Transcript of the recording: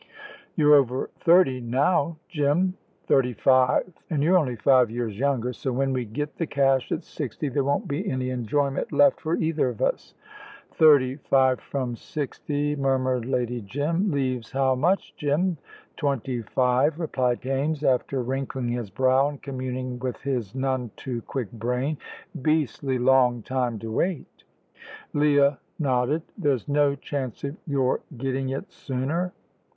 "You're over thirty now, Jim." "Thirty five, and you're only five years younger; so when we get the cash at sixty there won't be any enjoyment left for either of us." "Thirty five from sixty," murmured Lady Jim. "Leaves how much, Jim?" "Twenty five," replied Kaimes, after wrinkling his brow and communing with his none too quick brain. "Beastly long time to wait." Leah nodded. "There's no chance of your getting it sooner?"